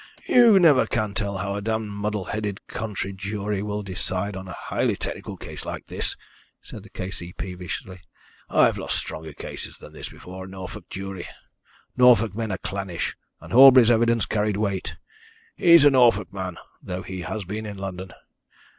"You never can tell how a d d muddle headed country jury will decide a highly technical case like this," said the K.C. peevishly. "I've lost stronger cases than this before a Norfolk jury. Norfolk men are clannish, and Horbury's evidence carried weight. He is a Norfolk man, though he has been in London.